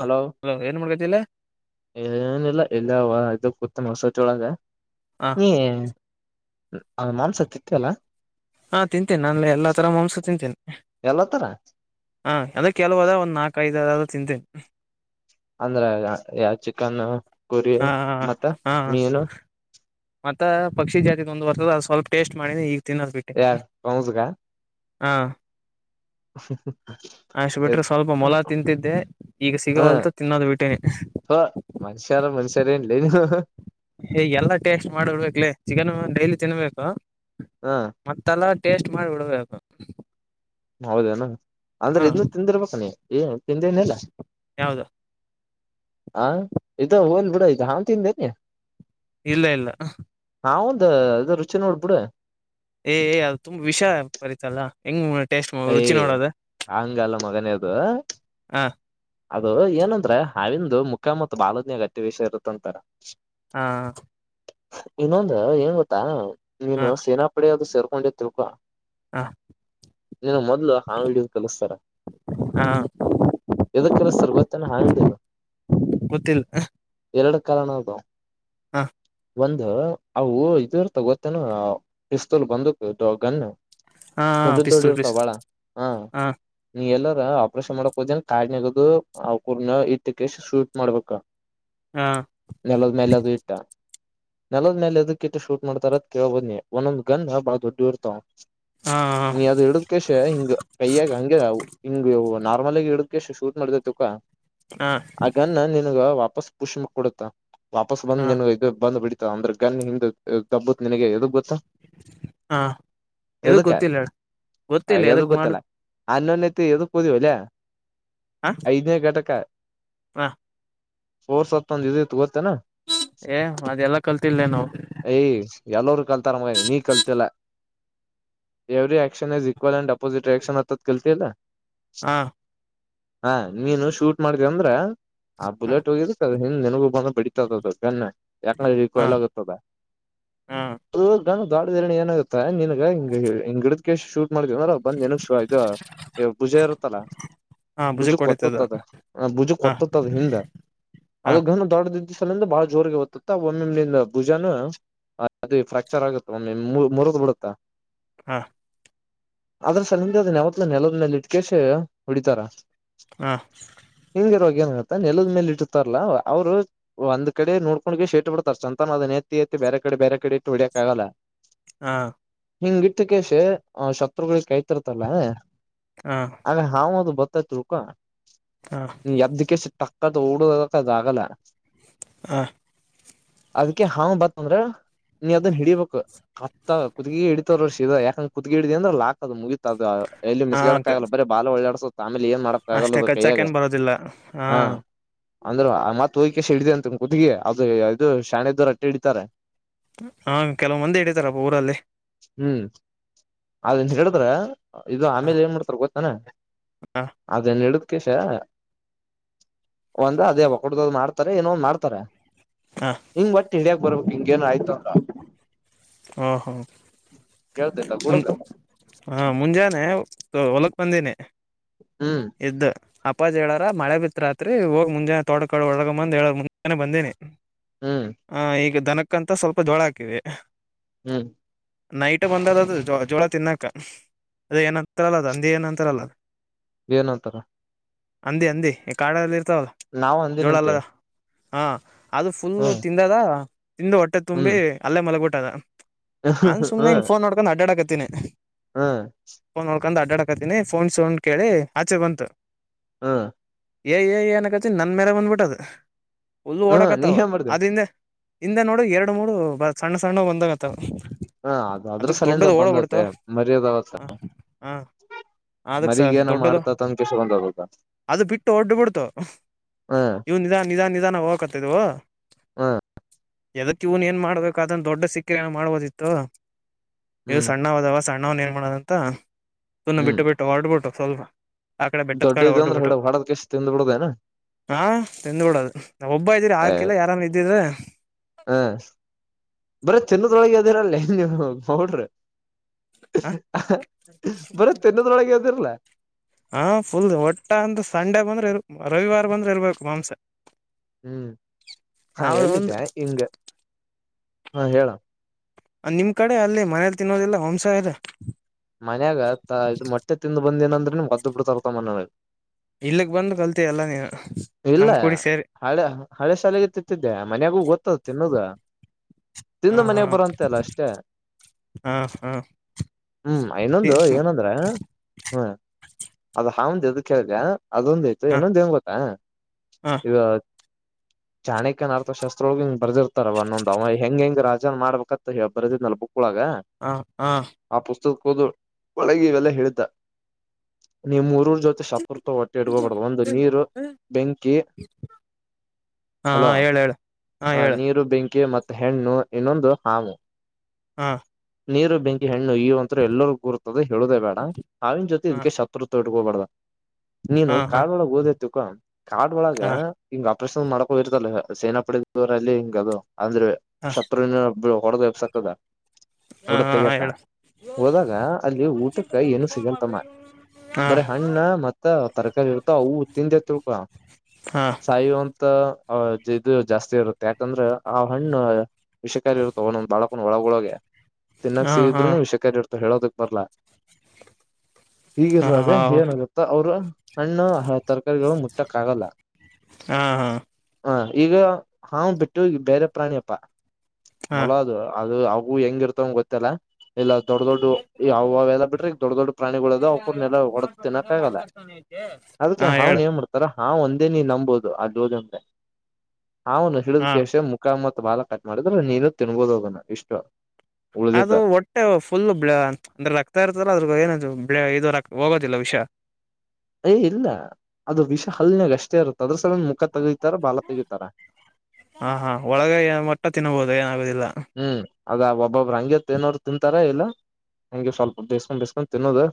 ಹ ಏನ್ ಮಾಡ್ಕತಿಲ್ಲ ಏನಿಲ್ಲ ಎಲ್ಲ ಸಚೋಳಗೆ ಹ ಹ್ಮ ಅದ ಮಾಂಸ ತಿತ್ತಲ್ಲ ಹಾ ತಿಂತೀನೆಿ ನಾನ ಎಲ್ಲಾ ತರ ಮಾಂಸ ತಿಂತೀನಿ ಎಲ್ಲ ತರ ಹ ಅಂದ್ರ ಕೆಲವದ ಒಂದಂದು ನಾಕ ಐದ ಚಂತನೆ ಅಂದ್ರೆ ಯ ಚಿಕನ್ ಕೊರಿಯ ಹಾ ಹ ಮತ್ತ ಹಾ ನೀೀನು ಮತ್ತ ಪಕ್ಷಿ ಜಾತಿ ಒಂದು ಬರ್ತದ ಅದು ಸ್ವಲ್ಪ ಟೇಸ್ಟ್ ಮಾಡಿನ ಈಗ ಯಾರ ಕೌಸು ಕಾ ಹಾಂ ಹಾ ಮೊಲ ತಿಂತಿದ್ದೆ ಈಗ ಸಿಗವಲ್ತ ತಿನ್ನೋದು ಬಿಟ್ಟೇನೆ ಹ ಮನುಷ್ಯರ ಮನುಷ್ಯರೇ ಇಲ್ಲನು ಹೇ ಎಲ್ಲಾ ಟೇಸ್ಟ್ ಮಾಡಿಡ್ಬೇಕಕ್ಲೇ ಚಿಕನ್ ಡೈಲಿ ತಿನ್ಬೇಕು ಹ ಮತ್ತೆಲ್ಲ ಟೇಸ್ಟ್ ಮಾಡ ಉಳಬೇಕ ಹೌದೇನಾ ಅಂದ್ರೆ ಇದನ್ನು ತಿಂದಿರ್ಬೇಕ ನೀ ಏ ತಿಂದೇನಿಲ್ಲ ಯಾವ್ದ ಹಾ ಇದ ಹೋಲ್ ಬಿುಡ ಇದು ಹಾನ್ ತಿಂದೇನೆಿ ಇಲ್ಲ ಇಲ್ಲ ಹೌಂದ ಇದು ರುಚಿ ನೋಡ್ಬಿಡ ಏ ಅದು ತುಂಬಾ ವಿಷ ಬರಿೀತಲ್ಲಾ ಹೆಂಗ್ ಟೇಸ್ಟ್ ರುಚಿ ಯ ನೋಡೋದ ಆಂಗಾಲ ಮಗನ ಯ್ದ ಹ್ಮ ಅದು ಏನಂದ್ರೆ ಅವಿಂದು ಮುಖ ಮತ್ತು ಬಾಲಜಿಯ ಗಟ್ಟಿ ವಿಷಯ ಇರುತ್ತಂತಾರ ಹಾ ಇನ್ನೊಂದು ಏನ್ ಗೊತ್ತಾ ಹಾ ನೀಏನು ಸೇನಾ ಪಡ ಅದು ತೇರ್ಕೊಂಡೆ ತುಕ ಹಾ ನೀನು ಮೊದ್ಲು ಹಾ ಹಿಡಿಯೋದು ಕಲಿಸ್ತಾರ ಹಾ ಎದಕ್ ಕಲಸ್್ತಾರ ಗೊತ್ತನೆ ಹಾ ಹಿಡಿಯದು ಗೊತ್ತಿಲ್ಲ ಎರಡು ಕಣದ ಹಾ ಒಂದು್ ಅವುೂ ಇದರ್ ತಗೋತೇನ ಪಿಸ್ತೂಲ್ ಬಂದಕ್ ಗನ್ ಹಾ ೊಡಿ ಪಿಸ್ತೂಲ್ ಇರ್ತಾವ ಪಿಸ್ತೂಲ್ ಬಾಳ ಹ ಹಾ ನೀ ಎಲ್ಲ ಆಪರೇಷನ್ ಮಾಡಕ್ ಹೋದನ ಕಾರ್ಡ್ನಗದು ಅವಕೂರ್ನ ಇಟ್ಟಕ್ಕೆ ಶೂಟ್ ಮಾಡ್ಬೇಕ ಹಾ ನಲ ನೆಲ್ಲದು ಇಟ್ಟಾ ನೆಲದ ಮೇಲೆ ಎದಕ್ಕಿಟ್ಟ ಶೂಟ್ ಮಾಡ್ತಾರದ್ ಕೇಳವ ಬದನ್ನಿ ಒಂದೊಂದ್ ಗನ್ ಬಾಳ ದೊಡ್ಡಿ ಇರ್ತವ ಹಾ ನೀ ಅದು ಇಡಿದ್ ಕಷ ಹಿಂಗ ಕೈಯ್ಯಾಗ ಹಂಗಗೆಾವು ಹಿಂಗ ನಾರ್ಮಲ್ ಆಗ ಇಡದಕ್ಕೆ ಶೂಟ್ ಮಾಡಿದೈತಿಕ್ಕಾ ಹಾ ಅಗನ್ನ ನಿ ಗ ವಾಪಸ್ ಪುಷ್ಮ ಕೊಡುತ್ತ ವಾಪಸ್ ಹಾ ಬಂದ ನ ಇದು ಬಂದು ಬಿ ಅಂದ್ರೆ ಗನ್ನಿ ಹಿಂದ ತಬ್ಬುತ್ಿನಗೆ ಎದ ಗೊತ್ತಾ ಹಾ ಎದು ಗೊತ್ತಿಲ್ಲ ಗೊತ್ತಿಲ್ಲ ಎದಕ್ ಮಾಡು ಅನ್ನೋನಯತಿ ಇದು ಪದುಿ ಹಲ್ಯ ಐದನೇ ಘಟಕ ಕಹ ೋರ್ ಸತ್ತ ಒಂದ ಇ ತತ್ತ ಏ ಅದೆ ಎಲ್ಲಾ ಕಲ್ತಿಲ್ಲೇ ನಾವು ಎಲ್ಲರುೂ ಕಲ್ತಾರ ಮಗ ನೀ ಕಲ್ತಿಲ್ಲ ಎವ್ರ ಎನ್ ಇಸ್ ಇಕ್ವಲ್ ಅಂಡ ಪೋಿಟ್ ಕ್ಷನ್ ಆತ್ಲ್ತಲ್ಲ ಹಾ ಹಾ ನೀನು ಶೂಟ್ ಮಾಡ್ದ ಅಂದ್ರ ಹಾ ಹ ಬುಲೆಟ್ ಹೋಗರಿ ಹಂಗ ನನಗೂ ಬಂದ ಬಿಡಿತದದದು ಕನ್ನೆ ಯಾಕ ಹಾ ಕೊಲಗುತ್ತದ ಹಾ ನಾನು ದಾಡ ಏನಾಗುತ್ತೆ ಎಂಗ ಸು ಮಾಡವ ಬಂದ್ನ ಇ ಭುಜ ಇರುತ್ತಲ್ಲಾ ಹಾ ಭುಜ ಭುಜಕ್ ಹೊಡಿತದ ಕೊತ್ತದ ಭುಜ ಹಾ ಕೊತ್ತದ ಹಿಂದೆ ಹಾ ಅದನು ದೊಡ್ಡ ಲಿಂದ ಬಹಳ ಜೋರಿಗೆ ಓತ್ತತ್ತ ಒಮ್ಮೆ ನಿಿಂದ ಭುಜಾನ ಅದು ಫ್ರಾಕ್ಚರ್ ಆಗುತ್ತೆ ಒಮ್ಮೆ ಮುರಗ್ ಬಿಡುತ್ತಾ ಹಾ ಆದದ್ರ ಸರಿಿಂದದ ನೆಾವತ್ಲ ನೆಲದನೆೇಲ್ಲಿ ಇಟ್ಕಸ ಹೊಡಿತಾರ ಹಾ ಹಂಗಗೆ ಇರುವರುವ ಏನ ನೆಲದ ಮೇಲೆ ಇಟ್ಟತಾರಲ್ಲ ಅವ್ರು ಒಂದ್ ಕಡೆ ನೋಡ್ಕೊಂಡ ಶೇಟ್ ಬಿಡ್ತಾರೆ ಸಂತಾನ ಅದನ ಎತ್ತಿ ಎತ್ತಿ ಬೇರೆ ಕಡೆ ಬೇರೆ ಕಡೆ ಇಟ್ಟು ಹೊಡಿಯಕ್ ಆಗಲ್ಲ ಹಾ ಹಿಂಗಗೆ ಕಿಕೇಶ ಶತ್ರುಗಳಿಗೆ ಕೈ್ತಿರ್ತಲ್ಲ ಹಾ ಅೆ ಹಾವದು ಬ ತ್ತ ತುಕ ಹಾ ಎಾರದಿಕ್ಕೆ ಪ ಓಡುಕ್ಕದದು ಆಗಲ್ಲ ಹ ಅದ್ಕ ಹಾಂಗ್ ಬತ್ತಂದ್ರ ನೀ ಅದನ್ ಹಿಡೀಬೇಕು ಅತ್ತ ಕತ್ಕ ಹಿಡಿತರ್ಷ ಇ ಯಾಕಂಗ ಕುುದಗಡಿದ ಅ್ರಲ್ಲಾದು ಮುಗ ಅದು ಎಲ್ಲಿ ಮಿಸಗಾಡಕ ಆಗಲ್ಲ ಬಾಳ ಒಳ್ಳೆಾಡ್ಸುತ್ತೆ ಅಷ್ಟೆ ಕಚ್ಚಾಕ ಏನ್ ಬರೋದಿಲ್ಲ ಹಾ ಅಂದ್ರರು ಆ ಮತ್ ಹೋಗ್ಕಷ್ಟಿಡ್ದ ಅಂತ ಕತ್ಗಿ ಅದು ಇದು ಶಾಣೆದ್ದವರು ಅಟ್ಟೆ ಹಿಡಿತಾರೆ ಹಾ ಕೆಲವ ಮಂದಿ ಇಡಿತಾರಪ್ಪ ಊರಲ್ಲಿ ಹ್ಮ್ ಅನ್ ಹೇಳಿದ್ರ ಇದು ಹ ಆಮೇಲೆ ನ್ ಮಾಡ್ತಾರೆ ಗೊ ಹನ ಹ ಅದೇನ್ ಹೇಳ ಮುಖೇಶ ಒಂದ ಅದೇ ಹೊಡ್ದದ್ ಮಾಡ್ತಾರೆ ಏನೋಂದು್ ಮಾಡ್ತಾರೆ ಹ ಹಂಗ್ ಮತ್ತ ಹ ಬರ್ಬೇಕ ಹಿಂಗೇನ ಆಯ್ತಲ್ಲ ಹಾ ಹಾ ಮುನ್ ಗುಡಕ ಹಾಂ ಮುಂಜಾನೆ ಹೊಲಕ್ ಬಂದೇನನೆ ಹ್ಮ್ ಎ್ಎದ್ದು ಆ ಅಪ್ಪಾಜ್ ಹೇಳಾರ ಮಳೆ ಬಿತ್ತ್ರಿ ಹೋಗಿ ಮುಂಜಾನೆ ತೋಡ್ಕ ಒಳಗ ಬಂದ್ ಹೇಳ ಮುಂಜಾನೆ ಬಂದಿನಿ ಹ್ಮ್ ಹಾ ಈಗ ದನಕ್ಕಂತ ಸ್ವಲ್ಪ ಜೋಳ ಹಾಕಿದೆ ಹ್ಮ್ ನೈಟ್ ಬಂದ ಜ ಜೋಳ ತಿನ್ನಾಕ ಅದ ಏನಂತರ ಅಲ್ಲದ ಅಂದ ಏನಂತರ ಅಲ್ಲದ ಏನಂತರ ಅಂದೆ ಅಂದೆ ಕಾಡಲ್ಲಿ ಇರ್ತಾವಲ್ಲ ನಾವು ಜೋಳ ಅಂದಿನಂತೆೇ ಅಲ್ಲದ ಹಾ ಅದು ಫುಲ್ ತಿಂದದ ಇಂದು ಹೊಟ್ಟೆ ತುಂಬಿ ಅಲ್ಲೇ ಮಲಗ್ಟ್ಟು ದ ಹ ಹ್ಮ ಎಡಾತೀನನೆ ಹ್ಮ ಕಕೊಂಡ್ ಅಡ್ಡಾಡಕತೀನಿ ಫೋನ್ ಸೌಂಡ್ ಕೇಳಿ ಆಚೆ ಬಂತು ಹಾ ಏ ಏ ಏನಕತಿ ನನ್ ಮೇಲೆ ಬಂದ್ಬಿಟ್ಟದ ಹುಲ್ಲು ಹ್ಮ್ ನೀ ಓಡಕತ್ತಾವ ಏನ್ ಮಾಡ್ದ ಅದ್ರಿಂದ ಹಿಂದ ನೋಡ ಎರಡು ಮೂರು ಸಣ್ಣ ಸಣ್ಣ ಒಂದಾಗತ ಹಾ ಅದು ಅದ್ರ ಸಲಿಂದ ದೊಡ್ಡದು ಓಡಬಿಡ್ತು ಬಂದತ್ಲೆ ಮರಿಯದವತ್ ಹ ಹಾ ಅದಕ್ಕೆ ಸ ಮರಿಗ ಏನ ದೊಡ್ಡದು ಮಾಡ್ತತ್ ಅಂದ ಕಿಸ ಬಂದದ ಅದು ಬಿಟ್ಟು ಹೊಡ್ಡ ಬಿಡ್ತು ಹ್ಮ್ ಇವನ್ ನಿಧಾನ ನಿಧಾನ ನಿಧಾನ ಹೋಗಕತ್ತಿದವು ಹ್ಮ್ ಎದಕ್ಕ ಇ್ನ್ ಏನ್ ಮಾಡ್ಬೇಕು ಅದನ್ನ ದೊಡ್ಡ ಸಿಕ್ಕರೆ ಏನ ಮಾಡ್ಬೋದಿತ್ತು ಇದು ಹ್ಮ್ ಸಣ್ಣವಾದವ ಸಣ್ಣ ನಾವನ್ ಏನ್ ಮಾಡೋದಂತ ತುನ್ನ ಹ್ಮ್ ಬಿಟ್ಟು ಬಿಟ್ಟು ಹೊರಡ್ಬಿಟ್ಟು ಸ್ವಲ್ಪ ಅಕಡೆ ಬೆಟ್ಟದ ದೊಡ್ಡ ಕಡೆ ಇದ ಹೊಟ್ಟ ಅಂದ್ರ ಒಟ್ಟು ಹಿಡ ಹೊಡದ್ ಕಿಸ ತಿಂದ್ ಬಿಡುದೇನ ಹಾ ತಿಂದು ಕೂಡದು ಹ ಹ ಬರೀ ಚನ್ನದೊಳಗೆದಿರಲ್ಲಿ ಹೌಡ್ರಿ ಹ ಬರ ತಿನ್ನದೊಳಗೆ ಹದಿರ್ಲ ಹಾ ಫುಲ್ ಒಟ್ಟ ಅಂದ ಸಂಡೆ ಬಂದ್ರೆ ಇರು ರವಿವಾರ ಬಂದ್ರೆ ಇರಬೇಕು ಮಾಂಸ ಹ್ಮ್ ಹಾ ಯಾವ್ದೋ ಒಂದು ಎಲ್ಲಿದೆ ಹಂಗ ಹಾ ಹೇಳ ನಿಮ್ ಕಡೆ ಅಲ್ಲಿ ಮನೇಲಿ ತಿನ್ನೋದೆಲ್ಲ ಹಂಸ ಇದೆ ಬಂದ ಏಂದ್ರೆಮ್ ಗದ್ದು ಬಿಡು ತರ್ತ ಮನೇಗೆ ಇಲ್ಲಕ್ ಬಂದು ಕಲ್ತ ಎಲ್ಲ ನೀ ಇಲ್ಲ ಹಳೆ ಹಳೆ ಶಾಲೆಗೆ ತತ್ತಿದ್ದೆ ಮನಯಾಗು ಗೊತ್ತ [unintelligible] ತಿನ್ನುದ ತಂದು ಹ ಮನಯಾಗ ಬರುವಂತೆ ಅಲ್ಲ ಅಷ್ಟೇ ಹಾ ಹಾ ಹಾ ಹ್ಮ್ ಇನ್ನೊಂದು ಹ ಏನಂದ್ರ ಹ್ಮ ಅದ ಹಂದ ಅದ ಕೇಳ್ರ ಅದೊಂದು ಇತ್ತು ಇನ್ನೊಂದ್ ಏನು ಗೊತ್ತಾ ಹ ಈಗ ಜಾಣಕ್ಯನ ಅರ್ಥ ಶಸ್ತ್ರೋಗ ಬದಿರ್ತಾರವ ಅನ್ನೊಂದ ಅವ ಹೆಂಗ ಹೆಂಗ್ ರಾಜನ್ ಮಾಡ್ಬೇಕತ್ತ ಬರ್ದಿದ್ನ ಬುಕ್ ಳಾಗ ಹ ಆ ಕೋದ ಒಳಗ ಇವೆಲ್ಲ ಹಳ್ತ ನಿಮ್ಮೂಊರು ಜೊತೆ ಶಪುರ್ತ ಹೊಟ್ಟೆ ಹಿಡ್ಕೋಬಾರ್ದುದು ಒಂದು ನೀರು ಹಾ ಬೆಂಕಿ ಹಾ ಹಲೋ ಹೇಳ ಹೇಳ ಹಾ ಹ ಹೇಳ ನೀರು ಬೆಂಕಿ ಬೆಂಕಿ ಮತ್ತು ಹೆಣ್ಣು ಇನ್ನೊಂದು ಹಾವು ಹಾ ನೀರು ಬೆಂಕಿ ಹೆಣ್ಣು ಇವು ಒಂತ್ರ ಎಲ್ಲರಿೂ ಗುರುತ ಹೇಳುದೇ ಬೇಡ ಅವಿನ ಜೊತೆ ಹಾ ಇದಕ್ಕೆ ಶತ್ರುತ ಕೋಬಡದ ನೀನು ಹಾ ಹಾ ಕಾಳಗೆ ಓದೇ ತುಕ ಕಾಡ್ ಒಳಗ ಹಾ ಹಂಗ ಅಪ್ಪ ಪ್ರ ಮಾಡಕೋಗರ್ತಲ್ಲ ಸೇನಾ ಪಡೆವರ ಅಲ್ಲಿ ಹಿಂಗ ಅದು ಅಂದ್ರೆ ಹಾ ಶತ್ರುನ ಹೊಡೆದಪ್ಸಕದ ಹಾ ನೋಡ ಹಾ ತೆಗಕ ಹೇಳ ಹೋದಾಗ ಅಲ್ಲಿ ಊಟಕ್ಕೆ ಏನು ಸಿಗಲ್ಂತಮ್ಮ ಹಾ ಬರ ಹಣ್ಣ ಮತ್ತ ತರಕಾರಿ ಇರ್ತ ಅವು ತಿಂದೆ ತಿಳ್ ಹಾ ಸಾಯು ಅಂತ ಇದು ಜಾಸ್ತಿ ಇರುತ್ತೆ ಯಾಕಂದ್ರೆ ಆ ಹಣ್ಣ ವಿಷಿಕಾರಿ ಇರುತ್ತೆ ಒನೊಂದ ಬಾಳಕನ್ ಒಳಗೊಳಗೆ ತಿನ್ನಾಕ್ ಹಾ ಸೀ ಹಾ ಇದ್ರೂನು ವಿಷೆಾ ಇತ ಹೇಳೋದಕ್ ಬರ್ಲ ಹಾ ಹೀಗಿರುವಾಗ ಏನಗುತ್ತಾ ಅವರು ಹಣ್ಣ ತರಕಾರಿಗಳು ಮುಟ್ಟ ಕಾಗಲ್ಲ ಹಾ ಹಾ ಹ ಈಗ ಹಾ ಬಿಟ್ಟು ಈಗ ಬೇರೆ ಪ್ರಾಣಿಯಪ್ಪ ಹಾ ಮೊಲ ಅದು ಅದು ಅದು ಅವು ಹೆಂಗ ಇರ್ತವಂಗ ಗೊತ್ತಿಲ್ಲ ಇಲ್ಲ ದೊಡ್ಡ ದೊಡ್ಡ ಯಾವೆಲ್ಲ ಬಿಟ್ರೆ ಈ ದೊಡ್ಡ ದೊಡ್ಡ ಪ್ರಾಣಿಗಳುದಾವ ಅವಕನೆಲ್ಲ ಹೊಡೆಡ ತಿನ್ನಕ್ ಆಗಲ್ಲ ಅದಕ್ಕೆ ಹಾ ಹೇಳ ಅವ್ನ್ ಏನ್ ಮಾಡತ ಹಾ ಒಂದೇ ನೀನ್ ನಂಬೋದು ಅಲ್ಲಿ ಹೋದಂದ್ರೆ ಹಾವನು ಹಿಡಿದ್ ಹಾ ಕೇಶ ಮುಖಾಮತ್ ಬಾಲ ಕಟ್ ಮಾಡಿದ್ರೆ ನೀನು ತಿನ್ಬೋದು ಅದನ್ನ ಇಷ್ಟು ಉಳ್ದಿದ್ದ ಅದು ಹೊಟ್ಟೆ ಫುಲ್ಲ ಅಂದ್ರೆ ರಕ್ತ ಇರ್ತಲ್ಲ ಅದ್ರ ಬಗ್ಗೆ ಇದು ಹೋಗೋದಿಲ್ಲ ವಿಷ ಏ ಇಲ್ಲ ಅದು ವಿಷ ಹಲ್ನಾಗ ಅಷ್ಟೇ ಇರುತ್ತೆ ಅದ್ರ ಸಲ ಮುಖ ತೆಗಿತಾರ ಬಾಲ ತೆಗಿತಾರ ತಿನಬೋದ ಏನಾಗೋದಿಲ್ ಹ್ಮ್ ಅದ ಒಬ್ಬೊಬ್ಬ್ರ ಹಂಗೆ ತಿನ್ನೋರು ತಿಂತಾರ ಇಲ್ಲ ಹಂಗೆ ಸ್ವಲ್ಪ ಬೇಸ್ಕೊಂಡ್ ಬೇಸ್ಕೊಂಡ್ ತಿನ್ನೋದು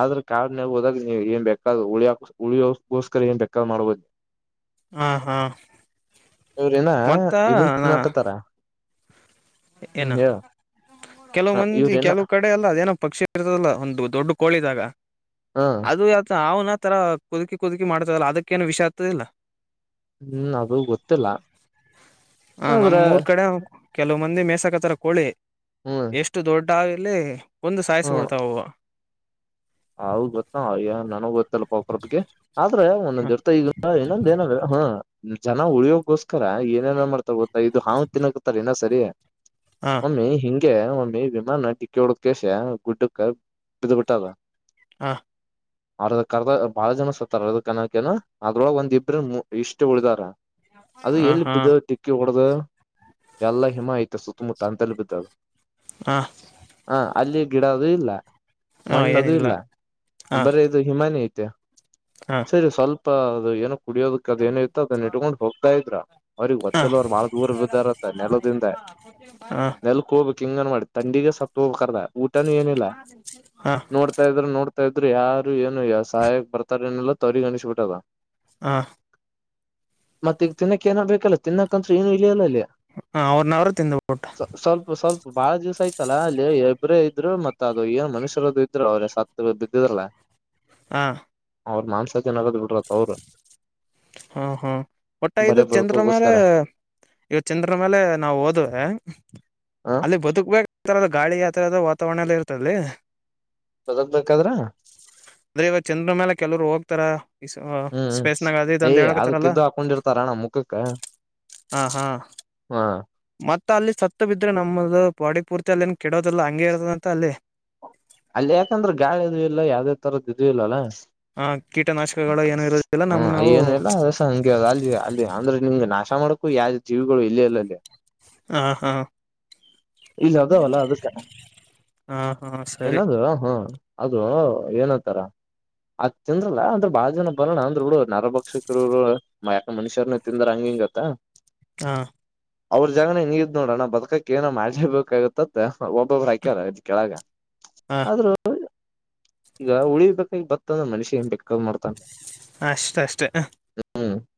ಆದ್ರೆ ಕಾಡ್ನಾಗ ಹೋದಾಗ ನೀವು ಏನ್ ಬೇಕಾದ್ ಉಳಿಯ ಉಳಿಯೋಕೋಸ್ಕರ ಏನ್ ಬೇಕಾದ್ ಮಾಡ್ಬೋದು ಹಾ ಹಾ ಇವ್ರೇನಾ ಮತ್ತ ಇದನ್ ತಿನಾಕತ್ತಾರ ಏನು ಕೆಲವು ಹ ಮಂದಿ ಇವ್ರೇನ ಕೆಲವು ಕಡೆ ಎಲ್ಲ ಅದೇನೋ ಪಕ್ಷಿ ಇರ್ತದಲ್ಲ ಒಂದು ದೊಡ್ಡ ಕೋಳಿದಾಗ ಹ ಅದು ಯತ ಹಾವನ ಈ ತರ ಕುದುಕಿ ಕುದುಕಿ ಮಾಡ್ತದಲ್ಲ ಅದಕ್ಕೇಏನು ವಿಷ ಹತ್ತದಿಲ್ಲ ಹ್ಮ್ ಅದು ಗೊತ್ತಿಲ್ಲ ಆದ್ರ ಒಂದೆ ಮೇಸಕತಾರ ಕೋಳಿ ಹ್ಮ್ ಎಷ್ಟು ದೊಡ್ ಟಾವಲೆ ಒಂದು ಹ್ಮ್ ಸಾಯಿಸಬಿಡ್ತಾವವು ಅವ ಗೊತ್ತ ನನಗ ಗೊತ್ತಲ್ಲ ಪಾಕ್ರದಗೆ ಆದ್ರೆ ಒಂದೊಂದ್ ಇರ್ತ ಈಗ ಇನ್ನೊಂದ ಏನಲ್ಲ ಹ ಜನ ಉಳ್ಯೋಗೋಸ್ಕರ ಏನೇನ ಮಾಡ್ತಾ ಗೊತ್ತಾ ಇದು ಹಾವ ತಿನ್ನಕತಾರ ಇನ್ನ ಸರಿ ಹ ಒಮ್ಮಿ ಹಿಂ ಗೆ ಒಮ್ಮಿ ವಿಮಾನ ಡಿಕ್ಕಿ ಹೊಡುದ ಕ್ಯಾಸ ಗುಡ್ಡಕ್ಕ ಬಿದ್ ಬಿಟ್ಟದ ಹಾ ಅವ್ರದ ಕರ್ದ ಬಹಳ ಜನ ಸತ್ತಾರ ಅರ್ದಕನ್ನಾಕೇನ ಅದ್ರೊಳಗೆ ಒಂದ್ ಇಬ್ಬ್ರ ಇಷ್ಟ ಉಳಿದಾರ ಅದು ಹ ಎಲ್ಲಿ ಬಿದ್ದು ಹಾ ಡಿಕ್ಕಿ ಹೊಡ್ದ ಎಲ್ಲ ಹಿಮ ಆಯ್ತು ಸುತ್ತಮುತ್ತ ಅಂತಲ್ಲಿ ಬಿದ್ದದ ಹಾ ಹ ಅಲ್ಲಿ ಗಿಡದು ಇಲ್ಲ ಮಣ್ಣು ದು ಏನಿಲ್ಲ ಇಲ್ಲ ಹ ಬರೀ ಇದು ಹಿಮಾನಿ ತ್ಯ ಹ ಸರಿ ಸ್ವಲ್ಪ ಅ ಅದು ಕುಡಿಯೋದಕ್ಕದ ಏನ ಇತ್ತು ಅದನ್ನ ಇಟ್ಕೊಂಡ ಹೋಗತಾ ಇದ್ರಾ ಅವ್ರಿಗೆ ಹ ಒತ್ತಲ್ಲಿ ಅವರು ಬಹಳ ದೂರ ಬ ಇರತ್ತ ನೆಲದಿಂದ ಹ ಹ ನೆಲಕ್ ಹೋಗ್ಬೇಕ ಕಿಂಗನ್ ಮಾಡಿ ತಂಡಿಿಗೆ ಸಪ್ಪ ಹ ಕರ್ದ ಹಾ ನೋಡ್ತಾ ಇದ್ರ ನೋಡ್ತಾ ಇದ್ರ ಯಾರು ಏನು ಯಾವ ಸಹಾಯಕ ಬರ್ತಾರ ಏನಲ್ಲ ತವರಿಗ ಅಣಿಸ್ಬ ಬಿಟ್ಟದ ಹ ಮತ್ತ ಈಗ ತಿನ್ನಕ್ ಏನ ಬೇಕಲ್ಲ ತಿನ್ನಕ್ಂತ್ರೂ ಏನು ಇಲಿಯಲ್ಲ ಇಲ್ಲಿ ಹ ಅವ್ರನ ಅವರು ತಂದು್ಬಟ್ಟು ಸ್ವಲ್ಪ ಸ್ವಲ್ಪ ಬಾಳ ದಿವ್ಸ ಆಯ್ತಲ್ಲ ಅಲ್ಲಿ ಇಬ್ಬ್ರೇ ಇದ್ರು ಮತ್ ಅದು ಏನ್ ಮನುಷ್ಯರದು ಸತ್ತುೇ ಬಿಿದ್ದದಲ್ಲ ಹಾ ಅವ್ರ್ ಮಾನ್ಸ ಜನ್ ಬಿಡ್ರ ಅವೌರು ಹಾ ಹಾ ಒಟ್ಟ ಇದು ಚಂದ್ರ ಮೇಲೆ ಬದುಕೋಗೋಸ್ಕರ ಇವತ್ತು ಚಂದ್ರ ಮೇಲೆ ನಾವು ಹೋದವೆ ಹ ಅಲ್ಲಿ ಬದುಕ್ಬೇಕ ಗಾಳಿ ತರದ ವಾತಾವರಣ ಎಲ್ಲ ಇರ್ತಲ್ಲಿ ಹೊದಕ್ಬೇಕಾದ್ರ ಅಂದ್ರೆ ಇವಾಗ ಚಂದ್ರ ಮ್ಯಾಲ ಕೆಲವರು ಹೋಗ್ತಾರ ಹ್ಮ್ ಹ್ಮ್ ಸ್ಪೇಸ್ ಏಯ್ ಅದಕ್ಕೆದ್ದು ಹಾಕೊಂಡಿರ್ತಾರಣ ಮುಖಕ್ಕ ಹ ಹಾ ಹಾ ಮತ್ತ ಅಲ್ಲಿ ಸತ್ತು ಬಿದ್ರೆ ನಮ್ಮದು ಬಾಡಿ ಪೂರ್ತಿ ಅಲ್ಲಿ ಏನು ಕೆಡೋದಲ್ಲ ಹಂಗಗೆ ಇರತ್ತದಂತ ಅಲ್ಲಿ ಅಲ್ಲಿ ಯಾಕಂದ್ರೆ ಗಾಳ ಇದ್ೂ ಇಲ್ಲ ಯಾವ್ದೇ ತರದ ಇದ್ೂ ಇಲ್ಲಲ್ಲ ಆ ಕೀಟನಾಶಕಗಳು ಏನು ಇರೋದಿಲ್ಲ ಹ್ಮ ನಮ್ಮ ನಾವು ಏನು ಇಲ್ಲಸ ಹಗೆ ಅಲ್ಲಿ ಅಲ್ಲಿ ಅಂದ್ರೆ ನಿಮ್ಗೆ ನಾಶ ಮಾಡಕ್ಕು ಯಾವ ಜೀವಿಗಳು ಇಲ್ಲಿ ಇಲ್ಲ ಅಲ್ಲಿ ಹಾ ಹಾ ಇಲ್ಲ ಅದ ಅಲ್ಲ ಅದಕ್ಕಣ ಹಾ ಹಾ ಸರಿ ಏನಾದ ಹಾ ಅದು ಏನಂತಾರ ಅದ್ ತಿಂದ್ರಲ್ಲಾ ಅಂದ್ರ ಬಾಳ ಜನ ಬರೋಣ ಅಂದ್ರ ಹುಡು ನರಭಕ್ಷಕರುರು ಯಾಕ ಮನುಷ್ಯರನ ತಿಂದ್ರ ಹಂಗ ಹಂಗತ್ತ ಹಾ ಅವ್ರ ಜಾಗನ ನೀರ್್ ನೋಡ್ರಣ ನ ಬ್ಕಕ್ ಏನೋ ಮಾಡ್ಲೇಬೇಕಾಗತ್ತ ಒಬ್ಬೊಬ್ ಆಾಕ್ಯಲ್ಲ ಇದ್ ಕೆಳಗ ಹ ಆದ್ರೂ ಈಗ ಉಳಿ ಬೇಕಾಗಿ ಬತ್ತತಂದ ಮನುಷಿ ಏನ್ ಬೇಕಾದ ಮಾಡ್ತಾನ ಅಷ್ಟ ಅಷ್ಟೇ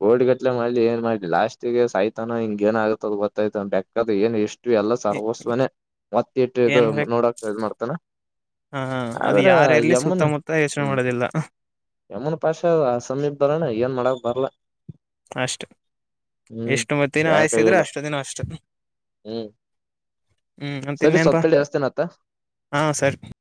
ಗೋಡ್ ಗಟ್ಲೆ ಮಾಡಲಿ ಏ ಮಾಡಲಿ ಲಾಸ್ಟ ಿಗೆ ಸಾಯ್ತಾನೋ ಹಿಂಗ ಏನಾಗತ ಅ ಗೊತ್ತಾಯ್ತ ಬೆೇಕಾದ ಏನು ಇಷ್ಟ ಇ ಎಲ್ಲ ಸರ್ವಸ್ವನೇ ಮತ್ತ ಇಟ್ಟು ಇದು ಏನ್ ಬೇಕು ನೋಡಕ ಮಾಡ್ತಾನ ಹ ಅದು ಆದ್ರ ಯಾರಲ್ಲಿ ಯಮನ್ ಸುತ್ತಮುತ್ತ ಯೋಚನೆ ಹ್ಮ ಮಾಡೋದಿಲ್ಲ ಯಮನ್ ಪಾಶ ಆ ಸಮೀಪ್ ಬರಣ ಏನ್ ಮಾಡ ಬರ್ಲ ಅಷ್ಟ ಹ್ಮ್ ಎಷ್ಟು ಮತ್ತ ದಿನ ಯಾರ್ ಆಯಸಿದ್ರೆ ಕೈಯಲ್ಲ ಅಷ್ಟ ದಿನ ಅಷ್ಟು ಹ್ಮ್ ಹ್ಮ್ ಅ ಸರಿ ತಿನ್ನೇಪ ಸೊತ್ತಡಿ ಹಸ್ತೇನತ್ತ ಹಾ ಸರಿ